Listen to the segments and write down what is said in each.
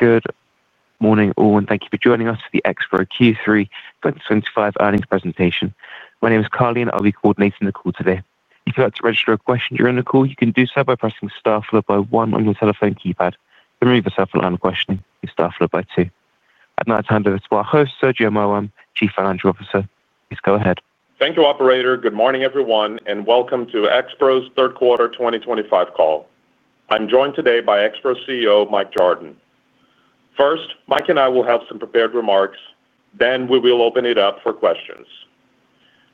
Good morning, all, and thank you for joining us for the Expro Q3 2025 earnings presentation. My name is Carly and I'll be coordinating the call today. If you'd like to register a question during the call, you can do so by pressing star followed by one on your telephone keypad. To remove yourself from the line of questioning, press star followed by two. I'd now like to hand over to our host, Sergio Maiworm, Chief Financial Officer. Please go ahead. Thank you, operator. Good morning, everyone, to Expro's third quarter 2025 call. I'm joined today by Expro's CEO, Mike Jardon. First, Mike and I will have some prepared remarks, then we will open it up for questions.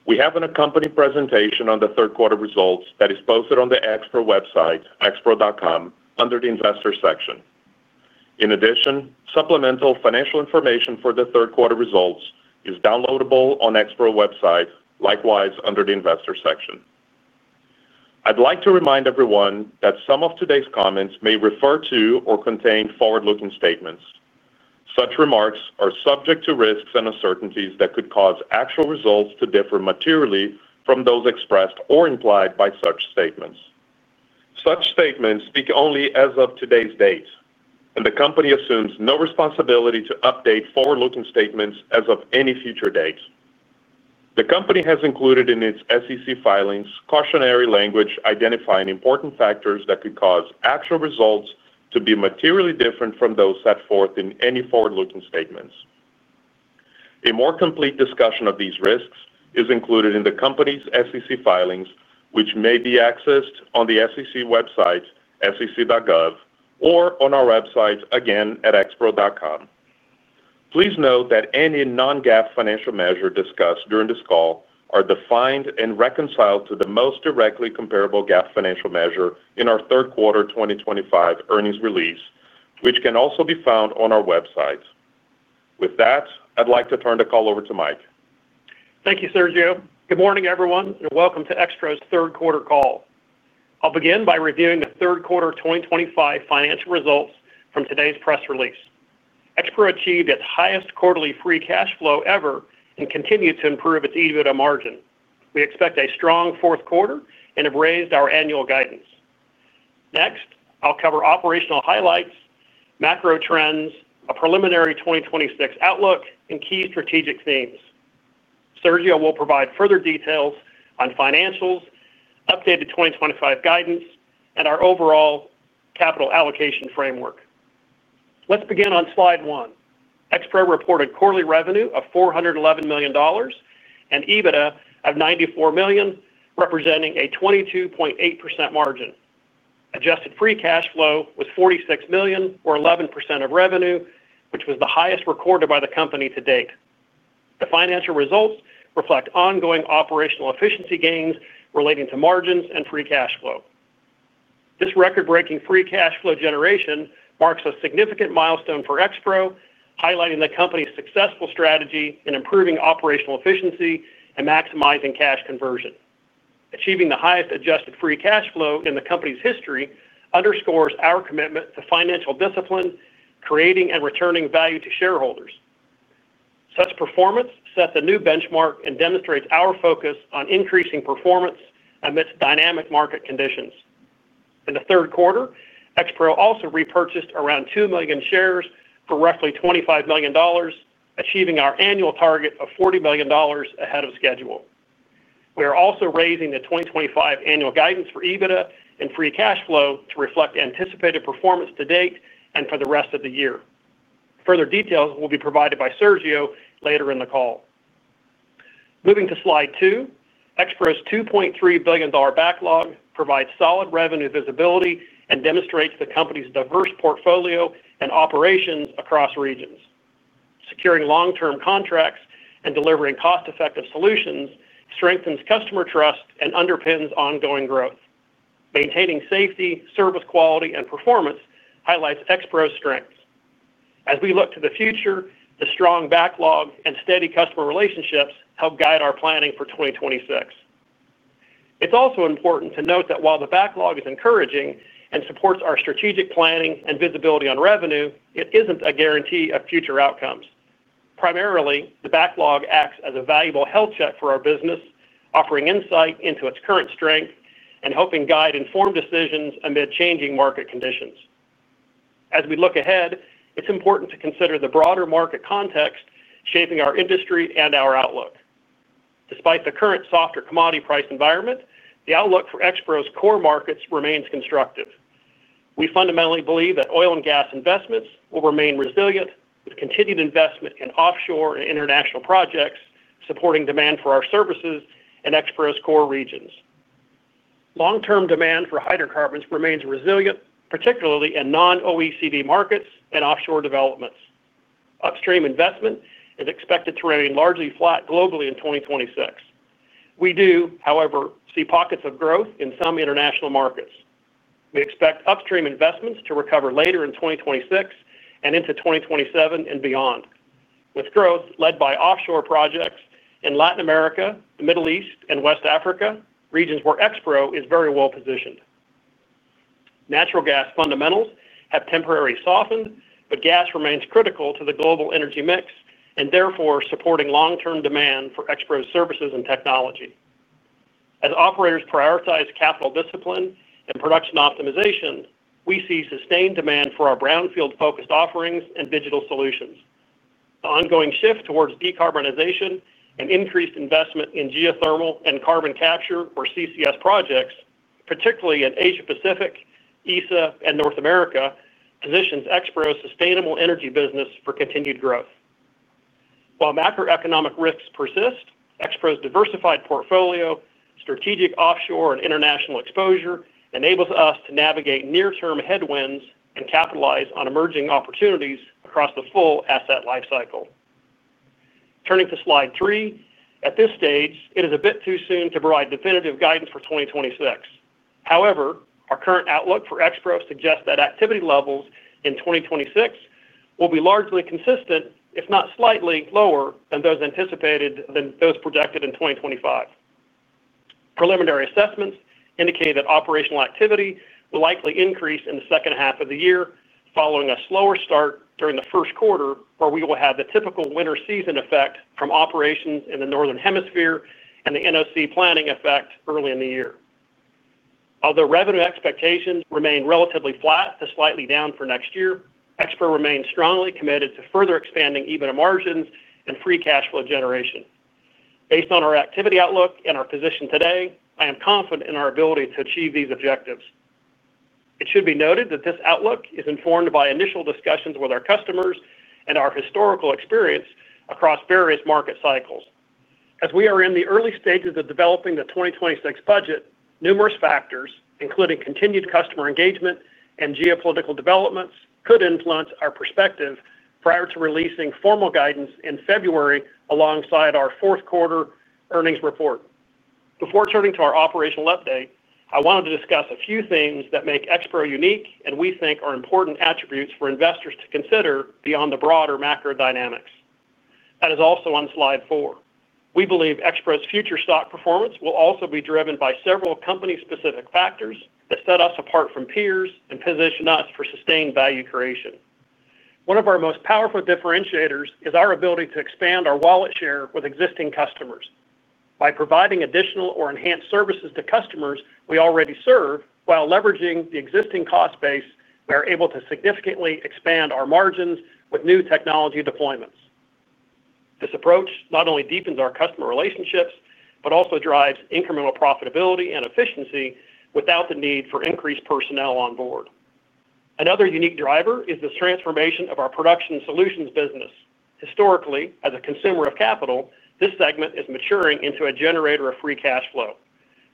We have an accompanying presentation on the third quarter results that is posted on the Expro website, expro.com, under the Investors section. In addition, supplemental financial information for the third quarter results is downloadable on the Expro website, likewise under the Investors section. I'd like to remind everyone that some of today's comments may refer to or contain forward-looking statements. Such remarks are subject to risks and uncertainties that could cause actual results to differ materially from those expressed or implied by such statements. Such statements speak only as of today's date, and the company assumes no responsibility to update forward-looking statements as of any future date. The company has included in its SEC filings cautionary language identifying important factors that could cause actual results to be materially different from those set forth in any forward-looking statements. A more complete discussion of these risks is included in the company's SEC filings, which may be accessed on the SEC website, sec.gov, or on our website, again, at expro.com. Please note that any non-GAAP financial measures discussed during this call are defined and reconciled to the most directly comparable GAAP financial measure in our third quarter 2025 earnings release, which can also be found on our website. With that, I'd like to turn the call over to Mike. Thank you, Sergio. Good morning, everyone, and welcome to Expro's third quarter call. I'll begin by reviewing the third quarter 2025 financial results from today's press release. Expro achieved its highest quarterly free cash flow ever and continues to improve its EBITDA margin. We expect a strong fourth quarter and have raised our annual guidance. Next, I'll cover operational highlights, macro trends, a preliminary 2026 outlook, and key strategic themes. Sergio will provide further details on financials, updated 2025 guidance, and our overall capital allocation framework. Let's begin on slide one. Expro reported quarterly revenue of $411 million and EBITDA of $94 million, representing a 22.8% margin. Adjusted free cash flow was $46 million, or 11% of revenue, which was the highest recorded by the company to date. The financial results reflect ongoing operational efficiency gains relating to margins and free cash flow. This record-breaking free cash flow generation marks a significant milestone for Expro, highlighting the company's successful strategy in improving operational efficiency and maximizing cash conversion. Achieving the highest adjusted free cash flow in the company's history underscores our commitment to financial discipline, creating and returning value to shareholders. Such performance sets a new benchmark and demonstrates our focus on increasing performance amidst dynamic market conditions. In the third quarter, Expro also repurchased around 2 million shares for roughly $25 million, achieving our annual target of $40 million ahead of schedule. We are also raising the 2025 annual guidance for EBITDA and free cash flow to reflect anticipated performance to date and for the rest of the year. Further details will be provided by Sergio later in the call. Moving to slide two, Expro's $2.3 billion backlog provides solid revenue visibility and demonstrates the company's diverse portfolio and operations across regions. Securing long-term contracts and delivering cost-effective solutions strengthens customer trust and underpins ongoing growth. Maintaining safety, service quality, and performance highlights Expro's strengths. As we look to the future, the strong backlog and steady customer relationships help guide our planning for 2026. It's also important to note that while the backlog is encouraging and supports our strategic planning and visibility on revenue, it isn't a guarantee of future outcomes. Primarily, the backlog acts as a valuable health check for our business, offering insight into its current strength and helping guide informed decisions amid changing market conditions. As we look ahead, it's important to consider the broader market context shaping our industry and our outlook. Despite the current softer commodity price environment, the outlook for Expro's core markets remains constructive. We fundamentally believe that oil and gas investments will remain resilient with continued investment in offshore and international projects, supporting demand for our services in Expro's core regions. Long-term demand for hydrocarbons remains resilient, particularly in non-OECD markets and offshore developments. Upstream investment is expected to remain largely flat globally in 2026. We do, however, see pockets of growth in some international markets. We expect upstream investments to recover later in 2026 and into 2027 and beyond, with growth led by offshore projects in Latin America, the Middle East, and West Africa, regions where Expro is very well positioned. Natural gas fundamentals have temporarily softened, but gas remains critical to the global energy mix and therefore supporting long-term demand for Expro's services and technology. As operators prioritize capital discipline and production optimization, we see sustained demand for our brownfield-focused offerings and digital solutions. The ongoing shift towards decarbonization and increased investment in geothermal and carbon capture, or CCS, projects, particularly in Asia-Pacific, ESA, and North America, positions Expro's sustainable energy business for continued growth. While macroeconomic risks persist, Expro's diversified portfolio, strategic offshore, and international exposure enable us to navigate near-term headwinds and capitalize on emerging opportunities across the full asset lifecycle. Turning to slide three, at this stage, it is a bit too soon to provide definitive guidance for 2026. However, our current outlook for Expro suggests that activity levels in 2026 will be largely consistent, if not slightly lower than those projected in 2025. Preliminary assessments indicate that operational activity will likely increase in the second half of the year following a slower start during the first quarter, where we will have the typical winter season effect from operations in the northern hemisphere and the NOC planning effect early in the year. Although revenue expectations remain relatively flat to slightly down for next year, Expro remains strongly committed to further expanding EBITDA margins and free cash flow generation. Based on our activity outlook and our position today, I am confident in our ability to achieve these objectives. It should be noted that this outlook is informed by initial discussions with our customers and our historical experience across various market cycles. As we are in the early stages of developing the 2026 budget, numerous factors, including continued customer engagement and geopolitical developments, could influence our perspective prior to releasing formal guidance in February alongside our fourth quarter earnings report. Before turning to our operational update, I wanted to discuss a few themes that make Expro unique and we think are important attributes for investors to consider beyond the broader macro dynamics. That is also on slide four. We believe Expro's future stock performance will also be driven by several company-specific factors that set us apart from peers and position us for sustained value creation. One of our most powerful differentiators is our ability to expand our wallet share with existing customers. By providing additional or enhanced services to customers we already serve, while leveraging the existing cost base, we are able to significantly expand our margins with new technology deployments. This approach not only deepens our customer relationships but also drives incremental profitability and efficiency without the need for increased personnel on board. Another unique driver is the transformation of our production solutions business. Historically, as a consumer of capital, this segment is maturing into a generator of free cash flow.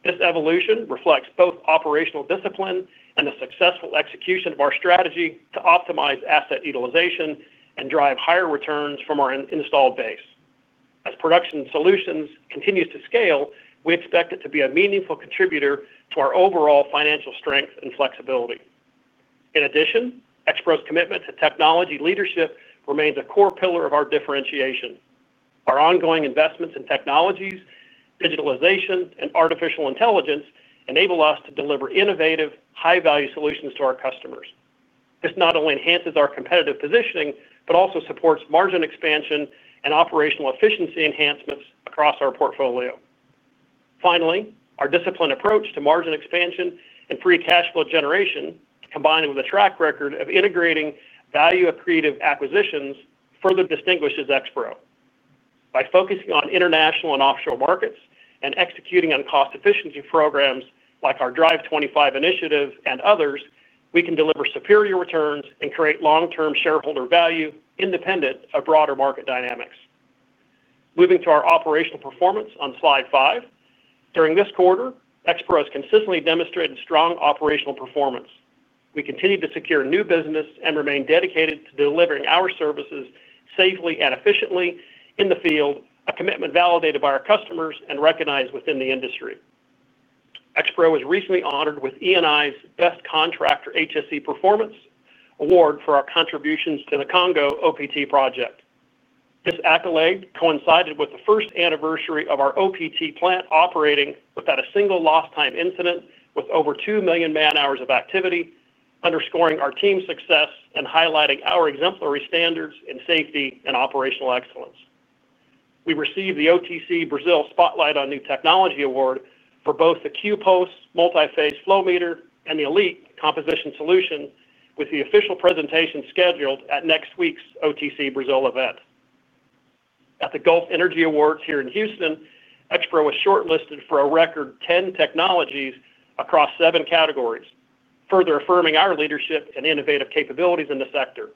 This evolution reflects both operational discipline and the successful execution of our strategy to optimize asset utilization and drive higher returns from our installed base. As production solutions continue to scale, we expect it to be a meaningful contributor to our overall financial strength and flexibility. In addition, Expro's commitment to technology leadership remains a core pillar of our differentiation. Our ongoing investments in technologies, digitalization, and artificial intelligence enable us to deliver innovative, high-value solutions to our customers. This not only enhances our competitive positioning but also supports margin expansion and operational efficiency enhancements across our portfolio. Finally, our disciplined approach to margin expansion and free cash flow generation, combined with a track record of integrating value accretive acquisitions, further distinguishes Expro. By focusing on international and offshore markets and executing on cost efficiency programs like our Drive25 initiative and others, we can deliver superior returns and create long-term shareholder value independent of broader market dynamics. Moving to our operational performance on slide five, during this quarter, Expro has consistently demonstrated strong operational performance. We continue to secure new business and remain dedicated to delivering our services safely and efficiently in the field, a commitment validated by our customers and recognized within the industry. Expro was recently honored with ENI's Best Contractor HSE Performance Award for our contributions to the Congo OPT project. This accolade coincided with the first anniversary of our OPT plant operating without a single lost time incident, with over 2 million man-hours of activity, underscoring our team's success and highlighting our exemplary standards in safety and operational excellence. We received the OTC Brazil Spotlight on New Technology Award for both the Q-POS Multiphase Flow Meter and the ELITE Composition Solution, with the official presentation scheduled at next week's OTC Brazil event. At the Gulf Energy Awards here in Houston, Expro was shortlisted for a record 10 technologies across seven categories, further affirming our leadership and innovative capabilities in the sector.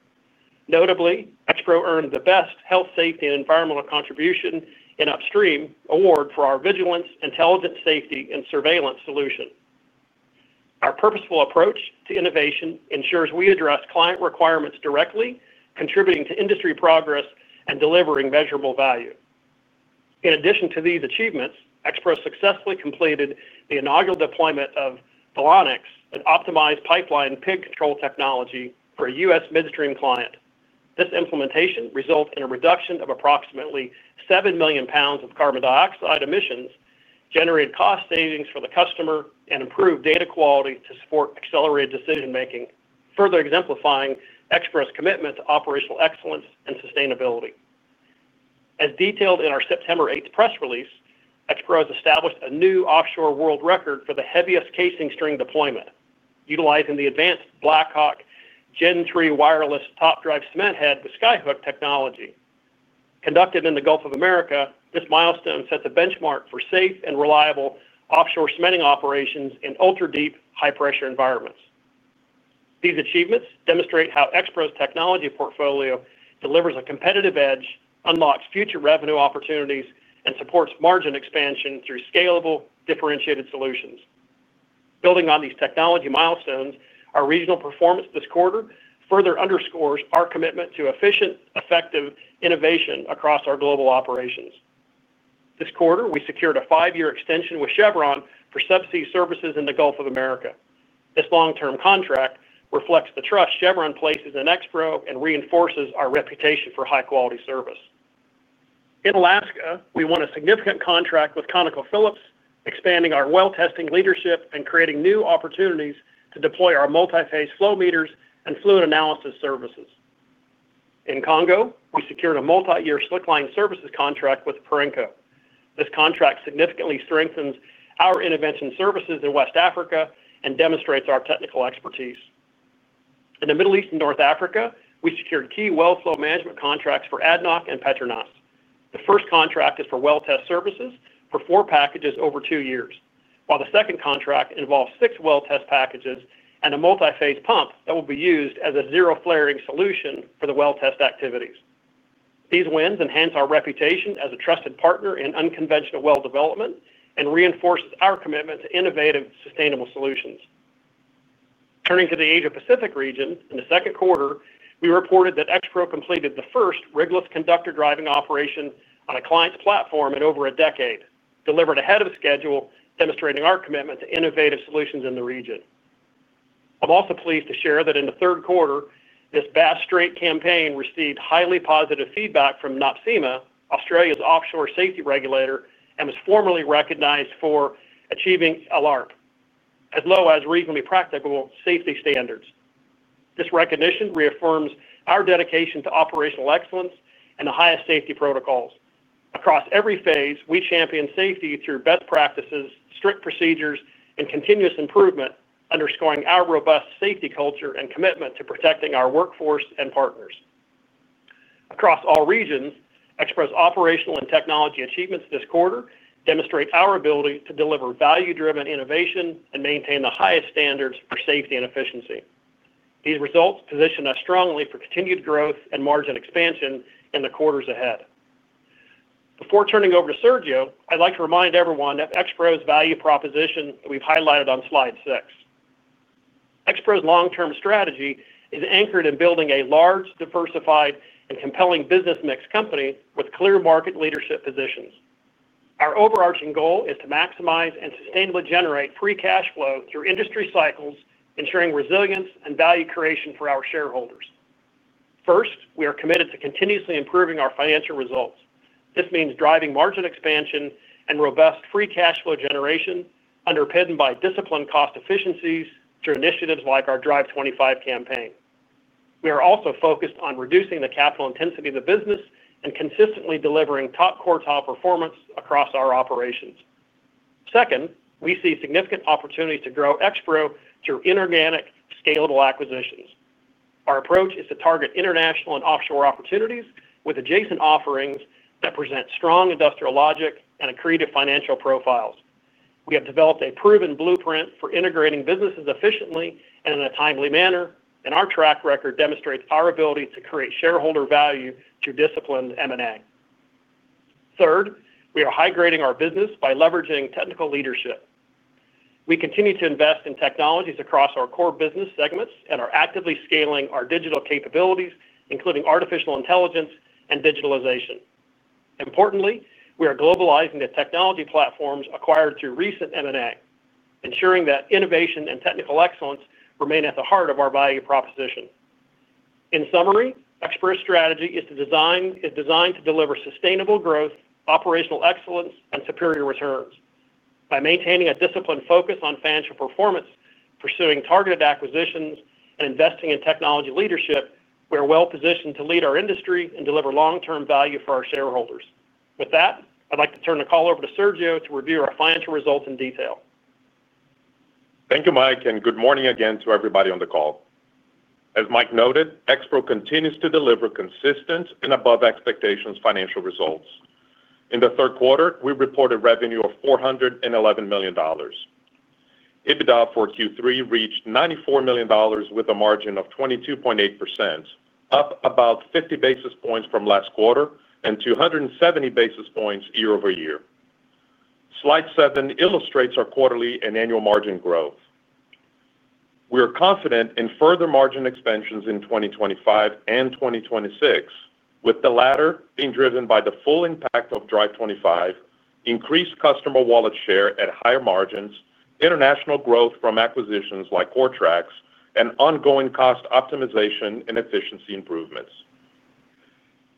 Notably, Expro earned the Best Health, Safety, and Environmental Contribution in Upstream Award for our Vigilance, Intelligent Safety, and Surveillance Solution. Our purposeful approach to innovation ensures we address client requirements directly, contributing to industry progress and delivering measurable value. In addition to these achievements, Expro successfully completed the inaugural deployment of Velonix, an optimized pipeline pig control technology for a U.S. midstream client. This implementation resulted in a reduction of approximately 7 million lbs of carbon dioxide emissions, generated cost savings for the customer, and improved data quality to support accelerated decision making, further exemplifying Expro's commitment to operational excellence and sustainability. As detailed in our September 8th press release, Expro has established a new offshore world record for the heaviest casing string deployment, utilizing the advanced Blackhawk Gen III wireless top drive cement head with SKYHOOK technology. Conducted in the Gulf of America, this milestone sets a benchmark for safe and reliable offshore cementing operations in ultra-deep, high-pressure environments. These achievements demonstrate how Expro's technology portfolio delivers a competitive edge, unlocks future revenue opportunities, and supports margin expansion through scalable, differentiated solutions. Building on these technology milestones, our regional performance this quarter further underscores our commitment to efficient, effective innovation across our global operations. This quarter, we secured a five-year extension with Chevron for subsea services in the Gulf of America. This long-term contract reflects the trust Chevron places in Expro and reinforces our reputation for high-quality service. In Alaska, we won a significant contract with ConocoPhillips, expanding our well-testing leadership and creating new opportunities to deploy our multiphase flow meters and fluid analysis services. In Congo, we secured a multi-year slick line services contract with Perenco. This contract significantly strengthens our intervention services in West Africa and demonstrates our technical expertise. In the Middle East and North Africa, we secured key well flow management contracts for ADNOC and Petronas. The first contract is for well test services for four packages over two years, while the second contract involves six well test packages and a multiphase pump that will be used as a zero-flaring solution for the well test activities. These wins enhance our reputation as a trusted partner in unconventional well development and reinforce our commitment to innovative, sustainable solutions. Turning to the Asia-Pacific region, in the second quarter, we reported that Expro completed the first rigless conductor driving operation on a client's platform in over a decade, delivered ahead of schedule, demonstrating our commitment to innovative solutions in the region. I'm also pleased to share that in the third quarter, this Bass Strait campaign received highly positive feedback from NOPSEMA, Australia's offshore safety regulator, and was formally recognized for achieving ALARP, as low as reasonably practicable safety standards. This recognition reaffirms our dedication to operational excellence and the highest safety protocols. Across every phase, we champion safety through best practices, strict procedures, and continuous improvement, underscoring our robust safety culture and commitment to protecting our workforce and partners. Across all regions, Expro's operational and technology achievements this quarter demonstrate our ability to deliver value-driven innovation and maintain the highest standards for safety and efficiency. These results position us strongly for continued growth and margin expansion in the quarters ahead. Before turning over to Sergio, I'd like to remind everyone of Expro's value proposition that we've highlighted on slide six. Expro's long-term strategy is anchored in building a large, diversified, and compelling business mix company with clear market leadership positions. Our overarching goal is to maximize and sustainably generate free cash flow through industry cycles, ensuring resilience and value creation for our shareholders. First, we are committed to continuously improving our financial results. This means driving margin expansion and robust free cash flow generation, underpinned by disciplined cost efficiencies through initiatives like our Drive25 campaign. We are also focused on reducing the capital intensity of the business and consistently delivering top quartile performance across our operations. Second, we see significant opportunity to grow Expro through inorganic, scalable acquisitions. Our approach is to target international and offshore opportunities with adjacent offerings that present strong industrial logic and accretive financial profile. We have developed a proven blueprint for integrating businesses efficiently and in a timely manner, and our track record demonstrates our ability to create shareholder value through disciplined M&A. Third, we are high grading our business by leveraging technical leadership. We continue to invest in technologies across our core business segments and are actively scaling our digital capabilities, including artificial intelligence and digitalization. Importantly, we are globalizing the technology platforms acquired through recent M&A, ensuring that innovation and technical excellence remain at the heart of our value proposition. In summary, Expro's strategy is designed to deliver sustainable growth, operational excellence, and superior returns. By maintaining a disciplined focus on financial performance, pursuing targeted acquisitions, and investing in technology leadership, we are well positioned to lead our industry and deliver long-term value for our shareholders. With that, I'd like to turn the call over to Sergio to review our financial results in detail. Thank you, Mike, and good morning again to everybody on the call. As Mike noted, Expro continues to deliver consistent and above expectations financial results. In the third quarter, we reported revenue of $411 million. EBITDA for Q3 reached $94 million with a margin of 22.8%, up about 50 basis points from last quarter and 270 basis points year-over-year. Slide seven illustrates our quarterly and annual margin growth. We are confident in further margin expansions in 2025 and 2026, with the latter being driven by the full impact of Drive25, increased customer wallet share at higher margins, international growth from acquisitions like Coretrax, and ongoing cost optimization and efficiency improvements.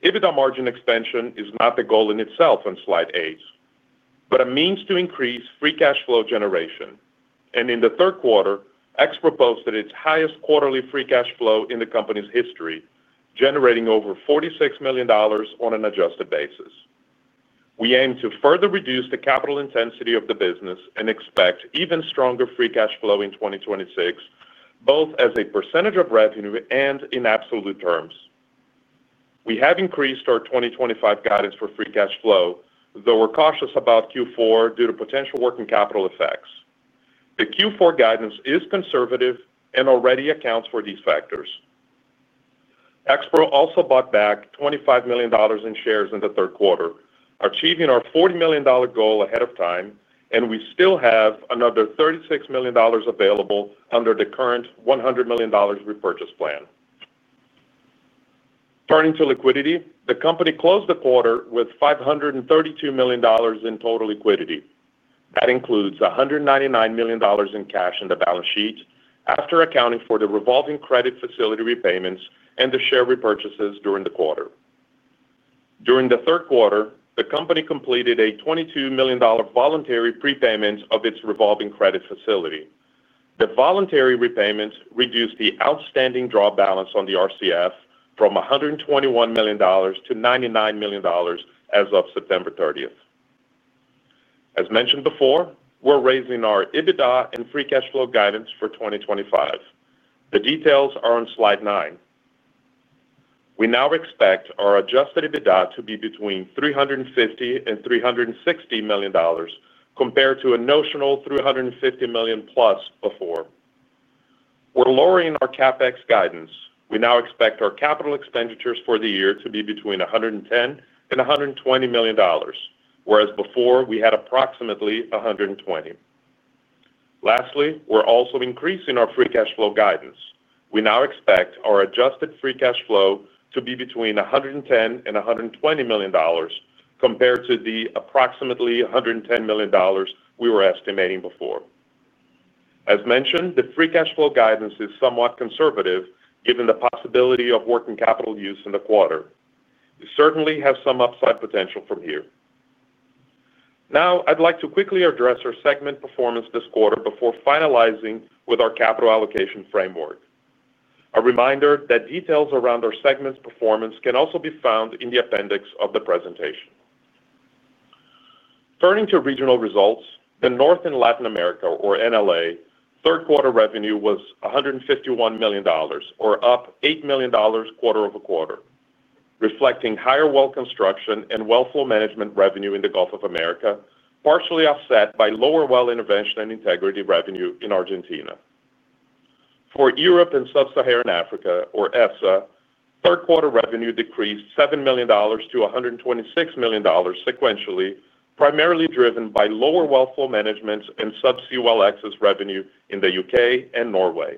EBITDA margin expansion is not the goal in itself on slide eight, but a means to increase free cash flow generation. In the third quarter, Expro posted its highest quarterly free cash flow in the company's history, generating over $46 million on an adjusted basis. We aim to further reduce the capital intensity of the business and expect even stronger free cash flow in 2026, both as a percentage of revenue and in absolute terms. We have increased our 2025 guidance for free cash flow, though we're cautious about Q4 due to potential working capital effects. The Q4 guidance is conservative and already accounts for these factors. Expro also bought back $25 million in shares in the third quarter, achieving our $40 million goal ahead of time, and we still have another $36 million available under the current $100 million repurchase plan. Turning to liquidity, the company closed the quarter with $532 million in total liquidity. That includes $199 million in cash in the balance sheet after accounting for the revolving credit facility repayments and the share repurchases during the quarter. During the third quarter, the company completed a $22 million voluntary prepayment of its revolving credit facility. The voluntary repayment reduced the outstanding draw balance on the RCF from $121 million to $99 million as of September 30. As mentioned before, we're raising our EBITDA and free cash flow guidance for 2025. The details are on slide nine. We now expect our adjusted EBITDA to be between $350 million and $360 million compared to a notional $350 million+ before. We're lowering our CapEx guidance. We now expect our capital expenditures for the year to be between $110 million and $120 million, whereas before we had approximately $120 million. Lastly, we're also increasing our free cash flow guidance. We now expect our adjusted free cash flow to be between $110 million and $120 million compared to the approximately $110 million we were estimating before. As mentioned, the free cash flow guidance is somewhat conservative given the possibility of working capital use in the quarter. We certainly have some upside potential from here. Now, I'd like to quickly address our segment performance this quarter before finalizing with our capital allocation framework. A reminder that details around our segment's performance can also be found in the appendix of the presentation. Turning to regional results, the North and Latin America, or NLA, third quarter revenue was $151 million, or up $8 million quarter-over-quarter, reflecting higher well construction and well flow management revenue in the Gulf of America, partially offset by lower well intervention and integrity revenue in Argentina. For Europe and Sub-Saharan Africa, or ESA, third quarter revenue decreased $7 million to $126 million sequentially, primarily driven by lower well flow management and subsea well access revenue in the U.K. and Norway.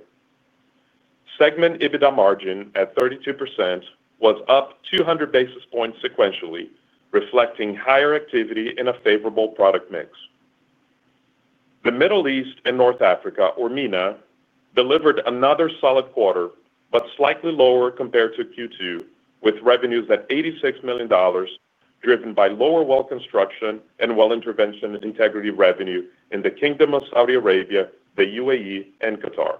Segment EBITDA margin at 32% was up 200 basis points sequentially, reflecting higher activity in a favorable product mix. The Middle East and North Africa, or MENA, delivered another solid quarter, but slightly lower compared to Q2, with revenues at $86 million driven by lower well construction and well intervention integrity revenue in the Kingdom of Saudi Arabia, the UAE, and Qatar.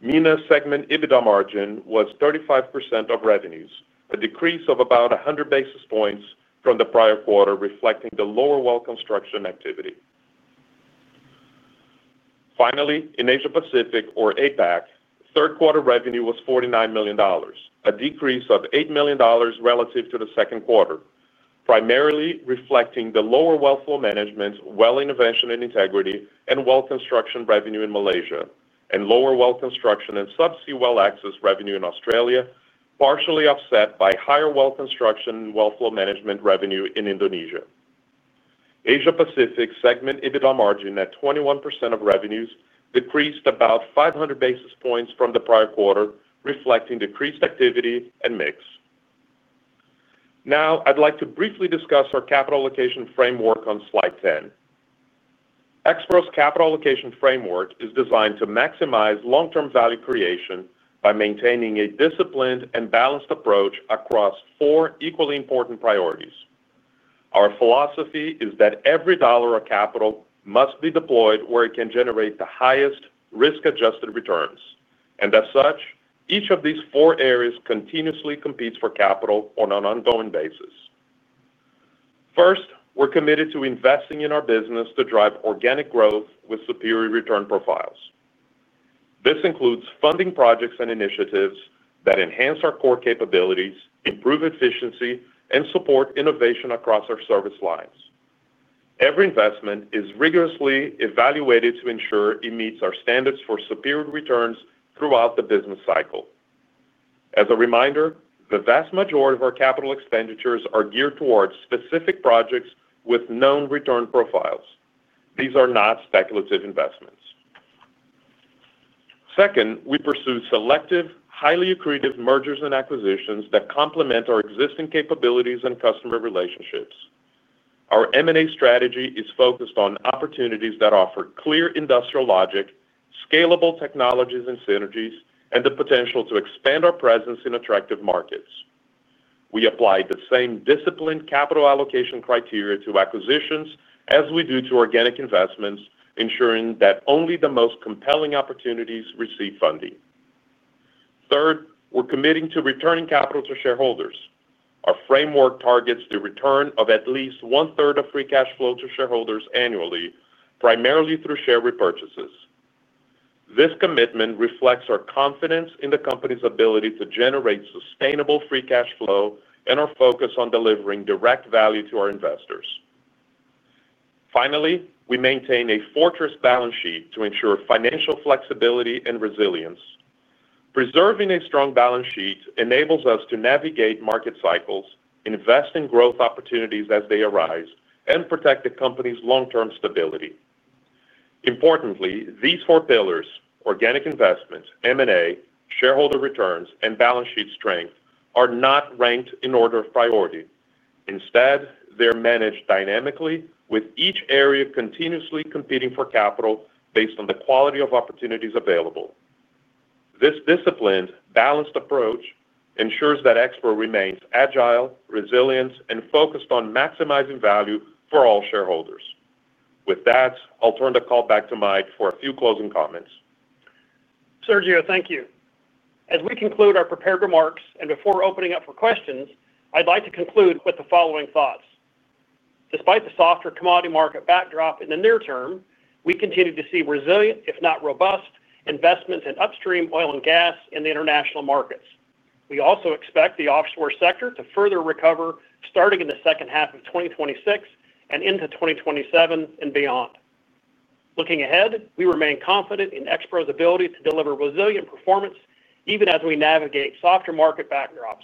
MENA segment EBITDA margin was 35% of revenues, a decrease of about 100 basis points from the prior quarter, reflecting the lower well construction activity. Finally, in Asia-Pacific, or APAC, third quarter revenue was $49 million, a decrease of $8 million relative to the second quarter, primarily reflecting the lower well flow management, well intervention and integrity, and well construction revenue in Malaysia, and lower well construction and subsea well access revenue in Australia, partially offset by higher well construction and well flow management revenue in Indonesia. Asia-Pacific segment EBITDA margin at 21% of revenues decreased about 500 basis points from the prior quarter, reflecting decreased activity and mix. Now, I'd like to briefly discuss our capital allocation framework on slide 10. Expro's capital allocation framework is designed to maximize long-term value creation by maintaining a disciplined and balanced approach across four equally important priorities. Our philosophy is that every dollar of capital must be deployed where it can generate the highest risk-adjusted returns, and as such, each of these four areas continuously competes for capital on an ongoing basis. First, we're committed to investing in our business to drive organic growth with superior return profiles. This includes funding projects and initiatives that enhance our core capabilities, improve efficiency, and support innovation across our service lines. Every investment is rigorously evaluated to ensure it meets our standards for superior returns throughout the business cycle. As a reminder, the vast majority of our capital expenditures are geared towards specific projects with known return profiles. These are not speculative investments. Second, we pursue selective, highly accretive M&A that complement our existing capabilities and customer relationships. Our M&A strategy is focused on opportunities that offer clear industrial logic, scalable technologies and synergies, and the potential to expand our presence in attractive markets. We apply the same disciplined capital allocation criteria to acquisitions as we do to organic investments, ensuring that only the most compelling opportunities receive funding. Third, we're committing to returning capital to shareholders. Our framework targets the return of at least 1/3 of free cash flow to shareholders annually, primarily through share repurchases. This commitment reflects our confidence in the company's ability to generate sustainable free cash flow and our focus on delivering direct value to our investors. Finally, we maintain a fortress balance sheet to ensure financial flexibility and resilience. Preserving a strong balance sheet enables us to navigate market cycles, invest in growth opportunities as they arise, and protect the company's long-term stability. Importantly, these four pillars: organic investments, M&A, shareholder returns, and balance sheet strength are not ranked in order of priority. Instead, they're managed dynamically, with each area continuously competing for capital based on the quality of opportunities available. This disciplined, balanced approach ensures that Expro remains agile, resilient, and focused on maximizing value for all shareholders. With that, I'll turn the call back to Mike for a few closing comments. Sergio, thank you. As we conclude our prepared remarks and before opening up for questions, I'd like to conclude with the following thoughts. Despite the softer commodity market backdrop in the near term, we continue to see resilient, if not robust, investments in upstream oil and gas in the international markets. We also expect the offshore sector to further recover, starting in the second half of 2026 and into 2027 and beyond. Looking ahead, we remain confident in Expro's ability to deliver resilient performance even as we navigate softer market backdrops.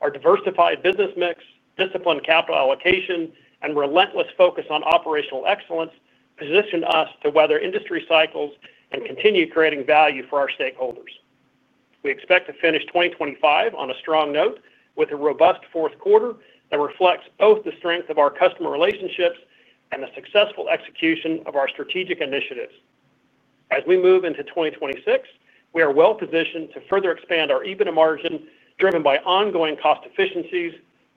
Our diversified business mix, disciplined capital allocation, and relentless focus on operational excellence position us to weather industry cycles and continue creating value for our stakeholders. We expect to finish 2025 on a strong note, with a robust fourth quarter that reflects both the strength of our customer relationships and the successful execution of our strategic initiatives. As we move into 2026, we are well positioned to further expand our EBITDA margin, driven by ongoing cost efficiencies,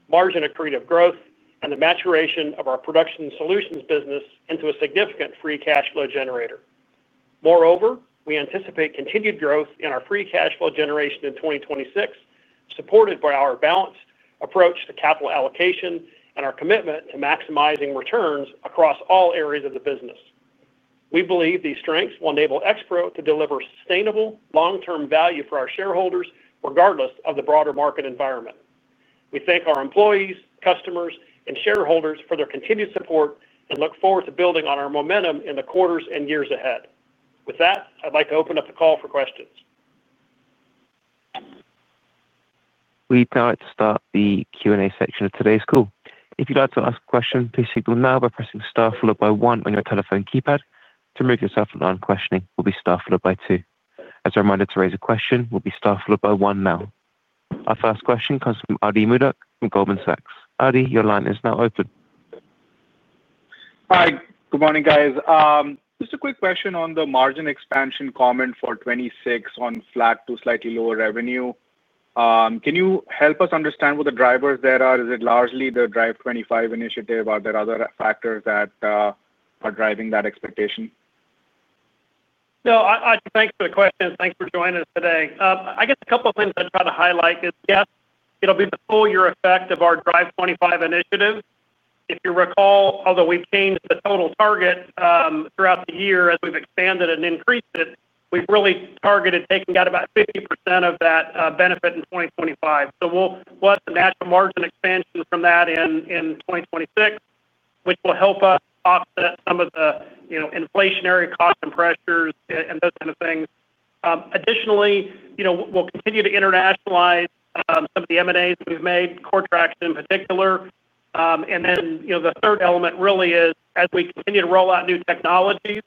margin accretive growth, and the maturation of our production solutions business into a significant free cash flow generator. Moreover, we anticipate continued growth in our free cash flow generation in 2026, supported by our balanced approach to capital allocation and our commitment to maximizing returns across all areas of the business. We believe these strengths will enable Expro to deliver sustainable, long-term value for our shareholders, regardless of the broader market environment. We thank our employees, customers, and shareholders for their continued support and look forward to building on our momentum in the quarters and years ahead. With that, I'd like to open up the call for questions. We'd like to start the Q&A section of today's call. If you'd like to ask a question, please do so now by pressing star followed by one on your telephone keypad. To remove yourself from non-questioning, use star followed by two. As a reminder, to raise a question, use star followed by one now. Our first question comes from Ati Modak from Goldman Sachs. Ati, your line is now open. Hi. Good morning, guys. Just a quick question on the margin expansion comment for 2026 on flat to slightly lower revenue. Can you help us understand what the drivers there are? Is it largely the Drive25 initiative? Are there other factors that are driving that expectation? Ati, thanks for the question. Thanks for joining us today. I guess a couple of things I'd try to highlight is, yes, it'll be the full-year effect of our Drive25 initiative. If you recall, although we've changed the total target throughout the year as we've expanded and increased it, we've really targeted taking out about 50% of that benefit in 2025. We'll have some natural margin expansion from that in 2026, which will help us offset some of the inflationary costs and pressures and those kind of things. Additionally, we'll continue to internationalize some of the M&As we've made, Coretrax in particular. The third element really is, as we continue to roll out new technologies,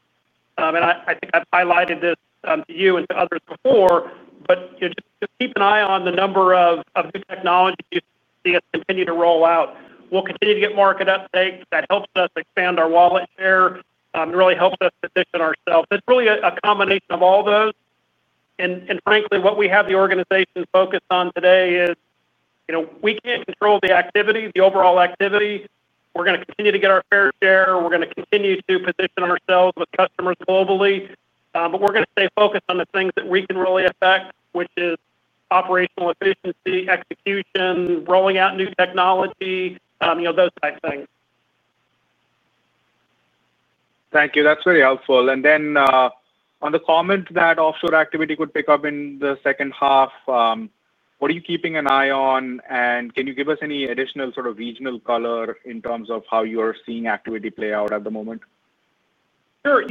and I think I've highlighted this to you and to others before, just keep an eye on the number of new technologies you see us continue to roll out. We'll continue to get market uptake. That helps us expand our wallet share and really helps us position ourselves. It's really a combination of all those. Frankly, what we have the organization focused on today is, we can't control the activity, the overall activity. We're going to continue to get our fair share. We're going to continue to position ourselves with customers globally. We're going to stay focused on the things that we can really affect, which is operational efficiency, execution, rolling out new technology, those types of things. Thank you. That's very helpful. On the comment that offshore activity could pick up in the second half, what are you keeping an eye on? Can you give us any additional sort of regional color in terms of how you are seeing activity play out at the moment? Sure.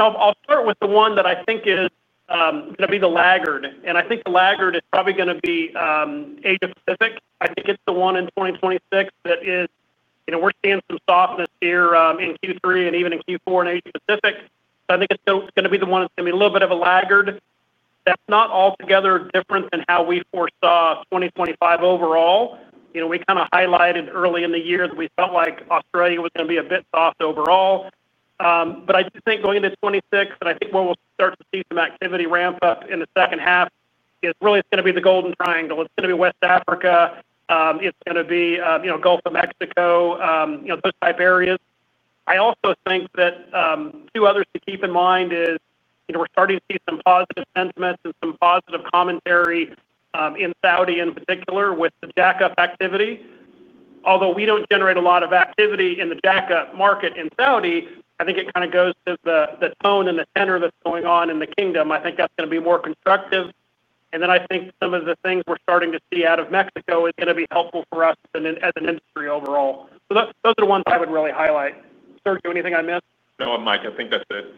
I'll start with the one that I think is going to be the laggard. I think the laggard is probably going to be Asia-Pacific. I think it's the one in 2026 that is, we're seeing some softness here in Q3 and even in Q4 in Asia-Pacific. I think it's going to be the one that's going to be a little bit of a laggard. That's not altogether different than how we foresaw 2025 overall. We kind of highlighted early in the year that we felt like Australia was going to be a bit soft overall. I do think going into 2026, and I think where we'll start to see some activity ramp up in the second half is really it's going to be the Golden Triangle. It's going to be West Africa. It's going to be Gulf of Mexico, those type areas. I also think that two others to keep in mind is, we're starting to see some positive sentiments and some positive commentary in Saudi in particular with the jack-up activity. Although we don't generate a lot of activity in the jack-up market in Saudi, I think it kind of goes to the tone and the tenor that's going on in the kingdom. I think that's going to be more constructive. I think some of the things we're starting to see out of Mexico is going to be helpful for us as an industry overall. Those are the ones I would really highlight. Sergio, anything I missed? No, Mike, I think that's it.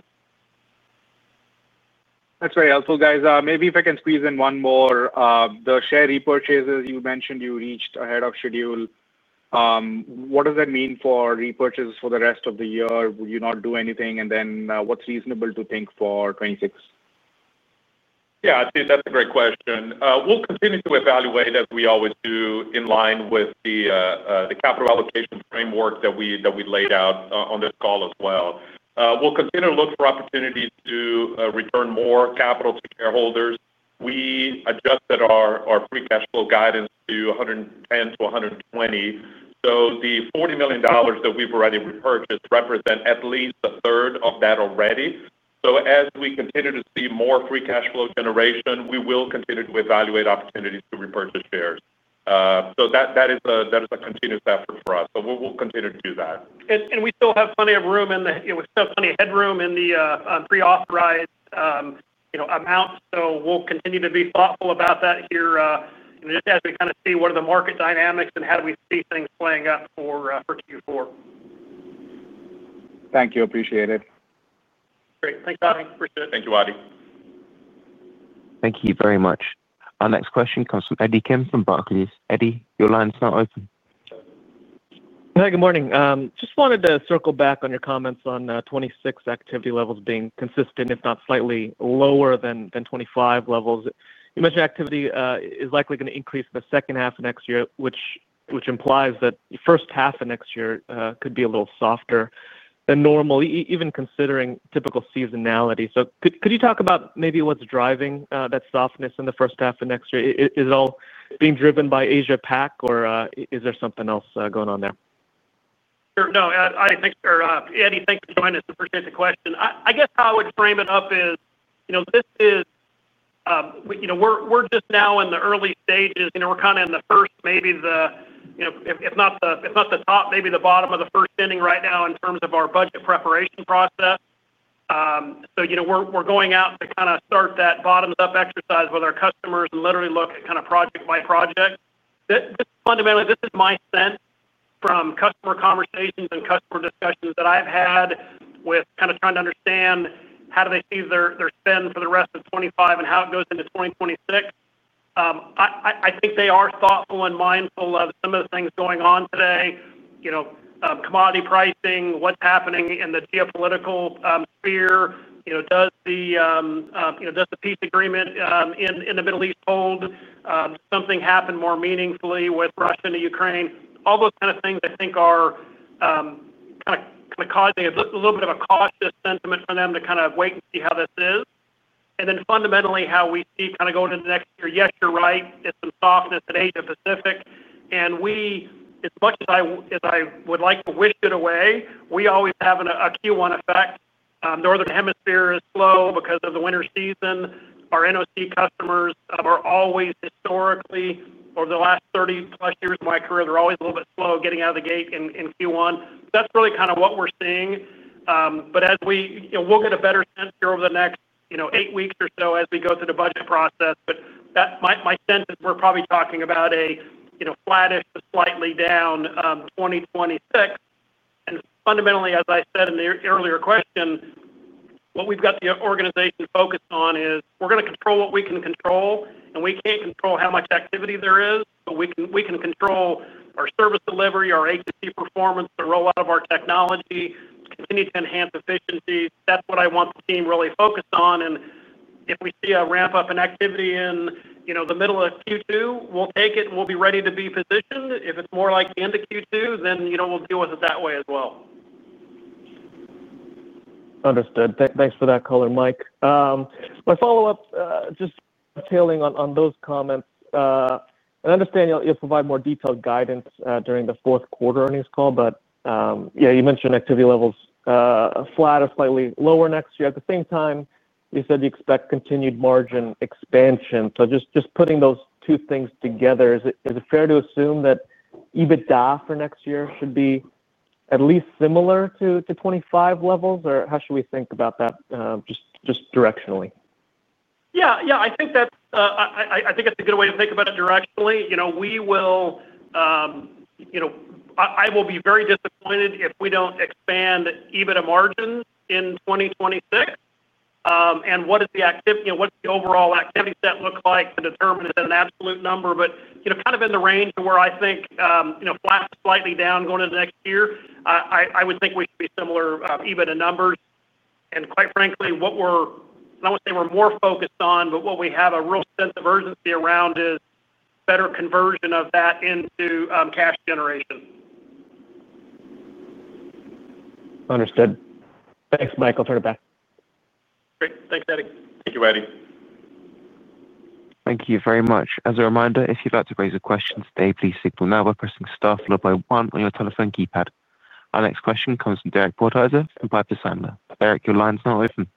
That's very helpful, guys. Maybe if I can squeeze in one more, the share repurchases you mentioned you reached ahead of schedule. What does that mean for repurchases for the rest of the year? Would you not do anything? What's reasonable to think for 2026? I think that's a great question. We will continue to evaluate as we always do in line with the capital allocation framework that we laid out on this call as well. We will continue to look for opportunities to return more capital to shareholders. We adjusted our free cash flow guidance to $110 million and $120 million. The $40 million that we've already repurchased represent at least a third of that already. As we continue to see more free cash flow generation, we will continue to evaluate opportunities to repurchase shares. That is a continuous effort for us. We will continue to do that. We still have plenty of headroom in the pre-authorized amount. We'll continue to be thoughtful about that here, just as we kind of see what are the market dynamics and how do we see things playing out for Q4. Thank you. Appreciate it. Great. Thanks, Ati. Appreciate it. Thank you, Ati. Thank you very much. Our next question comes from Eddie Kim from Barclays. Eddie, your line's now open. Hi, good morning. Just wanted to circle back on your comments on 2026 activity levels being consistent, if not slightly lower than 2025 levels. You mentioned activity is likely going to increase in the second half of next year, which implies that the first half of next year could be a little softer than normal, even considering typical seasonality. Could you talk about maybe what's driving that softness in the first half of next year? Is it all being driven by Asia-Pac, or is there something else going on there? Sure. No, Eddie, thanks for joining us. Appreciate the question. I guess how I would frame it up is, you know, this is, you know, we're just now in the early stages. We're kind of in the first, maybe the, you know, if not the top, maybe the bottom of the first inning right now in terms of our budget preparation process. We're going out to kind of start that bottoms-up exercise with our customers and literally look at kind of project by project. This is fundamentally, this is my sense from customer conversations and customer discussions that I've had with kind of trying to understand how do they see their spend for the rest of 2025 and how it goes into 2026. I think they are thoughtful and mindful of some of the things going on today, you know, commodity pricing, what's happening in the geopolitical sphere. Does the peace agreement in the Middle East hold? Did something happen more meaningfully with Russia and Ukraine? All those kind of things I think are kind of causing a little bit of a cautious sentiment for them to kind of wait and see how this is. Fundamentally, how we see kind of going into next year, yes, you're right, there's some softness in Asia-Pacific. As much as I would like to wish it away, we always have a Q1 effect. The northern hemisphere is slow because of the winter season. Our NOC customers are always historically, over the last 30+ years of my career, they're always a little bit slow getting out of the gate in Q1. That's really kind of what we're seeing. We'll get a better sense here over the next eight weeks or so as we go through the budget process. My sense is we're probably talking about a flattish to slightly down 2026. Fundamentally, as I said in the earlier question, what we've got the organization focused on is we're going to control what we can control, and we can't control how much activity there is, but we can control our service delivery, our A2C performance, the rollout of our technology, continue to enhance efficiencies. That's what I want the team really focused on. If we see a ramp-up in activity in the middle of Q2, we'll take it and we'll be ready to be positioned. If it's more like the end of Q2, then we'll deal with it that way as well. Understood. Thanks for that color, Mike. My follow-up, just tailing on those comments, and I understand you'll provide more detailed guidance during the fourth quarter earnings call, but you mentioned activity levels flat or slightly lower next year. At the same time, you said you expect continued margin expansion. Just putting those two things together, is it fair to assume that EBITDA for next year should be at least similar to 2025 levels, or how should we think about that just directionally? Yeah, I think that's a good way to think about it directionally. We will, I will be very disappointed if we don't expand EBITDA margins in 2026. What is the activity, what's the overall activity set look like to determine it as an absolute number? Kind of in the range to where I think, flat to slightly down going into next year, I would think we should be similar EBITDA numbers. Quite frankly, what we're, I don't want to say we're more focused on, but what we have a real sense of urgency around is better conversion of that into cash generation. Understood. Thanks, Mike. Turn it back. Great. Thanks, Eddie. Thank you, Eddie. Thank you very much. As a reminder, if you'd like to raise a question today, please do so now by pressing star followed by one on your telephone keypad. Our next question comes from Derek Podhaizer with Piper Sandler. Derek, your line's now open.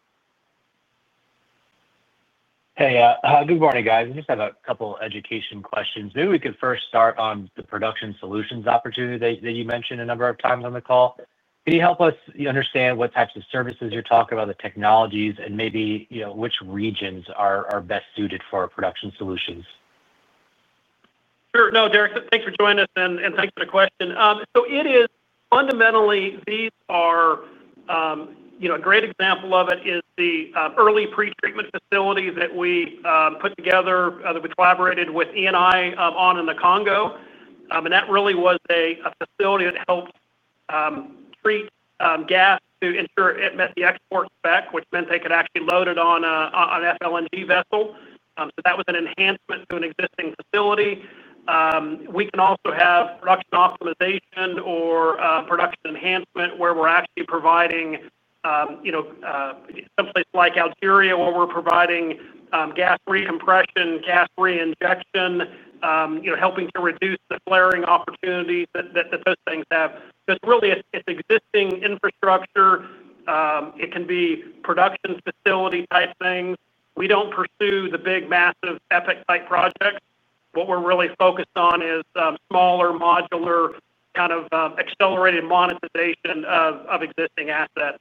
Hey, good morning, guys. I just have a couple of education questions. Maybe we could first start on the production solutions opportunity that you mentioned a number of times on the call. Can you help us understand what types of services you're talking about, the technologies, and maybe, you know, which regions are best suited for production solutions? Sure. No, Derek, thanks for joining us and thanks for the question. It is fundamentally, these are, you know, a great example of it is the early pretreatment facility that we put together that we collaborated with ENI on in the Congo. That really was a facility that helped treat gas to ensure it met the export spec, which meant they could actually load it on an FLNG vessel. That was an enhancement to an existing facility. We can also have production optimization or production enhancement where we're actually providing, you know, someplace like Algeria where we're providing gas recompression, gas reinjection, helping to reduce the flaring opportunities that those things have. It is really its existing infrastructure. It can be production facility type things. We don't pursue the big, massive epic type projects. What we're really focused on is smaller, modular kind of accelerated monetization of existing assets.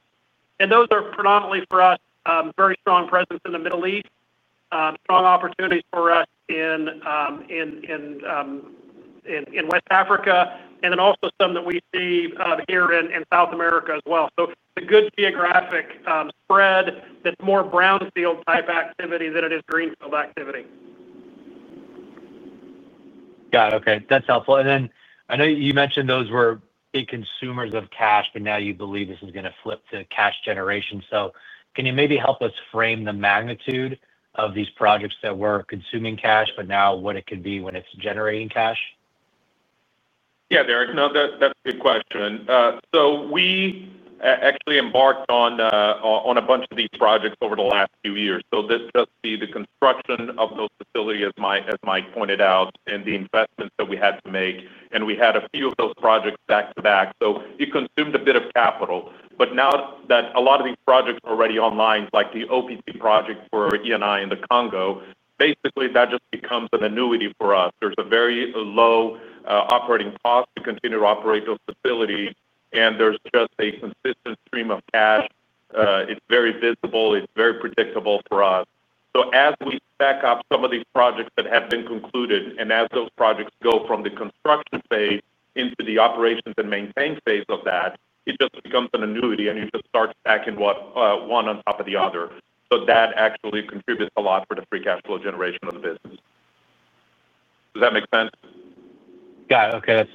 Those are predominantly for us, very strong presence in the Middle East, strong opportunities for us in West Africa, and then also some that we see here in South America as well. It is a good geographic spread that's more brownfield type activity than it is greenfield activity. Got it. Okay, that's helpful. I know you mentioned those were big consumers of cash, but now you believe this is going to flip to cash generation. Can you maybe help us frame the magnitude of these projects that were consuming cash, but now what it could be when it's generating cash? Yeah, Derek, no, that's a good question. We actually embarked on a bunch of these projects over the last few years. This just sees the construction of those facilities, as Mike pointed out, and the investments that we had to make. We had a few of those projects back to back. It consumed a bit of capital. Now that a lot of these projects are already online, like the OPC project for ENI in the Congo, basically that just becomes an annuity for us. There's a very low operating cost to continue to operate those facilities, and there's just a consistent stream of cash. It's very visible. It's very predictable for us. As we stack up some of these projects that have been concluded, and as those projects go from the construction phase into the operations and maintain phase of that, it just becomes an annuity, and you just start stacking one on top of the other. That actually contributes a lot for the free cash flow generation of the business. Does that make sense? Got it. Okay.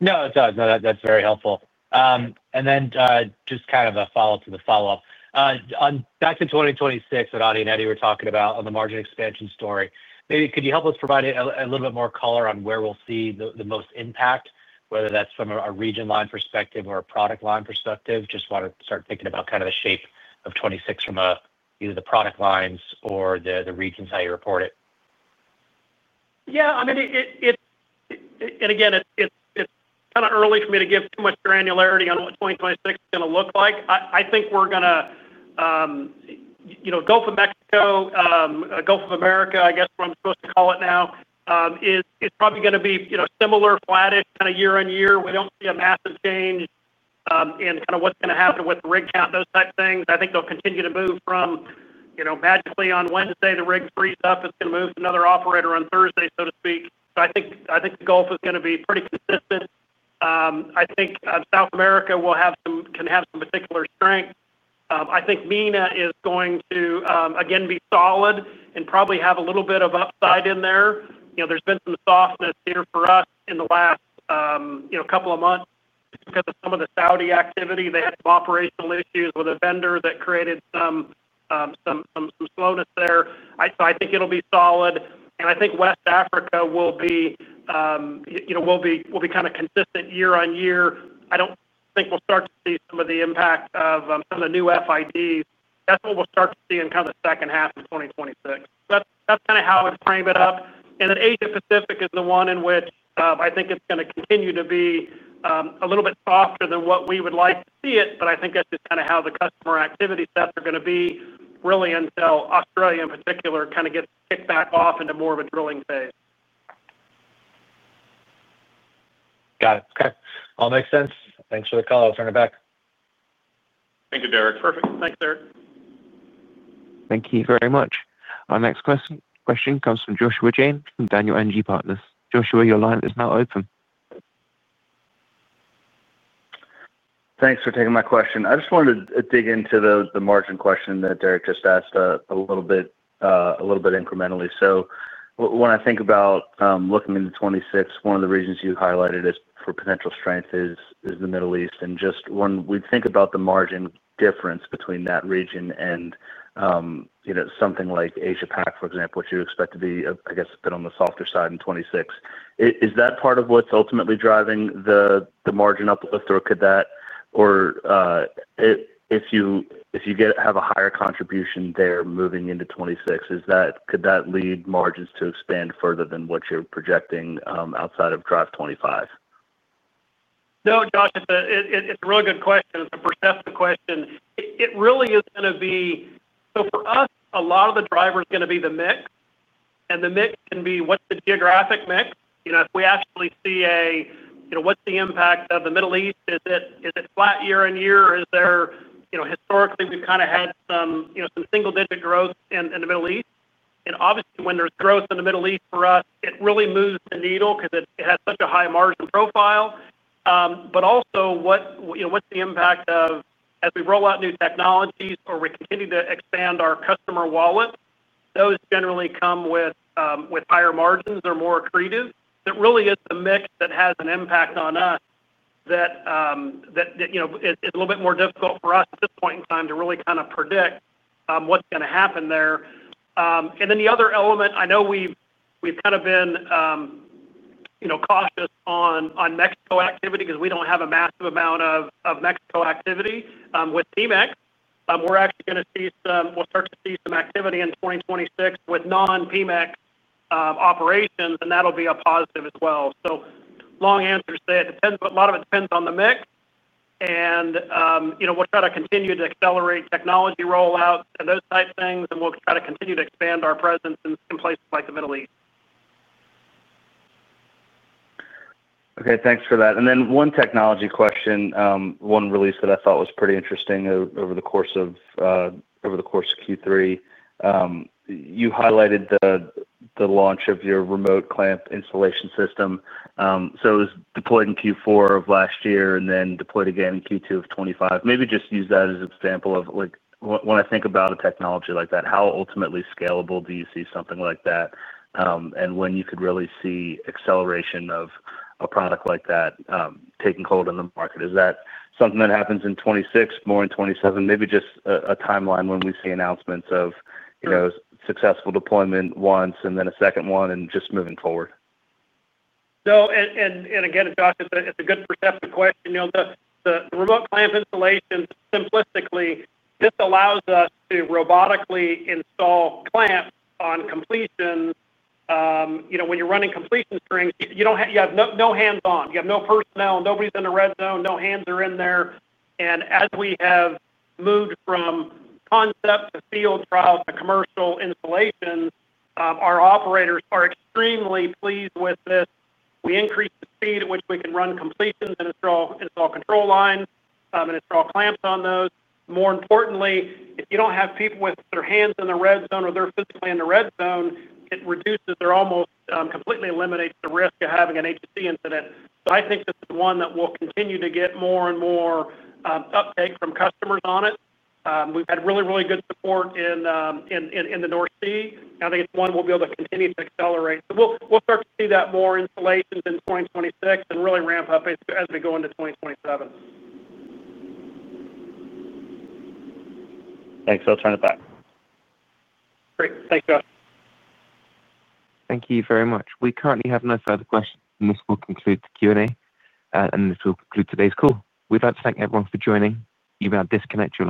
No, it does. That's very helpful. Just kind of a follow-up to the follow-up. Back to 2026 that Ati and Eddie were talking about on the margin expansion story, maybe could you help us provide a little bit more color on where we'll see the most impact, whether that's from a region line perspective or a product line perspective? Just want to start thinking about kind of the shape of 2026 from either the product lines or the regions, how you report it. Yeah, I mean, it's kind of early for me to give too much granularity on what 2026 is going to look like. I think we're going to, you know, Gulf of Mexico, Gulf of America, I guess, where I'm supposed to call it now, is probably going to be, you know, similar, flattish kind of year-on-year. We don't see a massive change in kind of what's going to happen with the rig count, those types of things. I think they'll continue to move from, you know, magically on Wednesday, the rig frees up. It's going to move to another operator on Thursday, so to speak. I think the Gulf is going to be pretty consistent. I think South America can have some particular strength. I think Middle East and North Africa is going to, again, be solid and probably have a little bit of upside in there. There's been some softness here for us in the last couple of months just because of some of the Saudi activity. They had some operational issues with a vendor that created some slowness there. I think it'll be solid. I think West Africa will be kind of consistent year-on-year. I don't think we'll start to see some of the impact of some of the new FIDs. That's what we'll start to see in kind of the second half of 2026. That's kind of how I would frame it up. Asia-Pacific is the one in which I think it's going to continue to be a little bit softer than what we would like to see it, but I think that's just kind of how the customer activity sets are going to be really until Australia, in particular, kind of gets kicked back off into more of a drilling phase. Got it. Okay, all makes sense. Thanks for the call. I'll turn it back. Thank you, Derek. Perfect. Thanks, Derek. Thank you very much. Our next question comes from Joshua Jayne from Daniel Energy Partners. Joshua, your line is now open. Thanks for taking my question. I just wanted to dig into the margin question that Derek just asked a little bit, a little bit incrementally. When I think about looking into 2026, one of the reasons you highlighted for potential strength is the Middle East. Just when we think about the margin difference between that region and, you know, something like Asia-Pacific, for example, which you expect to be, I guess, a bit on the softer side in 2026, is that part of what's ultimately driving the margin uplift? Could that, or if you have a higher contribution there moving into 2026, could that lead margins to expand further than what you're projecting outside of Drive25? No, Josh, it's a really good question. It's a perceptive question. It really is going to be, so for us, a lot of the driver is going to be the mix. The mix can be what's the geographic mix? You know, if we actually see a, you know, what's the impact of the Middle East? Is it flat year-on-year? Or is there, you know, historically, we've kind of had some, you know, some single-digit growth in the Middle East. Obviously, when there's growth in the Middle East for us, it really moves the needle because it has such a high margin profile. Also, what's the impact of, as we roll out new technologies or we continue to expand our customer wallets, those generally come with higher margins or are more accretive. It really is the mix that has an impact on us that, you know, is a little bit more difficult for us at this point in time to really kind of predict what's going to happen there. The other element, I know we've kind of been, you know, cautious on Mexico activity because we don't have a massive amount of Mexico activity with PEMEX. We're actually going to see some, we'll start to see some activity in 2026 with non-PEMEX operations, and that'll be a positive as well. Long answer to say it depends, but a lot of it depends on the mix. You know, we'll try to continue to accelerate technology rollouts and those types of things, and we'll try to continue to expand our presence in places like the Middle East. Okay, thanks for that. One technology question, one release that I thought was pretty interesting over the course of Q3. You highlighted the launch of your remote clamp installation system. It was deployed in Q4 of last year and then deployed again in Q2 of 2025. Maybe just use that as an example of, like, when I think about a technology like that, how ultimately scalable do you see something like that? When could you really see acceleration of a product like that taking hold in the market? Is that something that happens in 2026, more in 2027? Maybe just a timeline when we see announcements of, you know, successful deployment once and then a second one and just moving forward. Josh, it's a good perceptive question. The remote clamp installation, simplistically, allows us to robotically install clamps on completions. When you're running completion strings, you have no hands-on. You have no personnel. Nobody's in the red zone. No hands are in there. As we have moved from concept to field trial to commercial installation, our operators are extremely pleased with this. We increase the speed at which we can run completions and install control lines and install clamps on those. More importantly, if you don't have people with their hands in the red zone or they're physically in the red zone, it reduces or almost completely eliminates the risk of having an HSE incident. I think this is one that will continue to get more and more uptake from customers on it. We've had really, really good support in the North Sea. I think it's one we'll be able to continue to accelerate. We'll start to see more installations in 2026 and really ramp up as we go into 2027. Thanks. I'll turn it back. Great. Thanks, Josh. Thank you very much. We currently have no further questions, and this will conclude the Q&A, and this will conclude today's call. We'd like to thank everyone for joining. You may now disconnect.